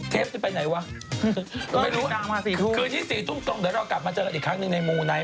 จะไปไหนวะก็ไม่รู้คืนที่๔ทุ่มตรงเดี๋ยวเรากลับมาเจอกันอีกครั้งหนึ่งในมูไนท